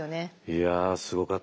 いやすごかった！